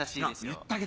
言ってあげて。